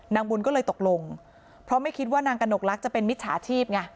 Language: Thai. นางบุญก็เลยตกลงเพราะไม่คิดว่านางกระหนกลักษณ์จะเป็นมิจฉาชีพไง